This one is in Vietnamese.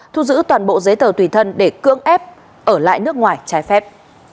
thu giữ toàn bộ giấy tờ tùy thân để cưỡng ép ở lại nước ngoài trái phép